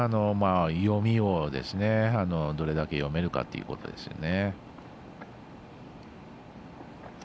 読みをどれだけ読めるかっていうところですよね。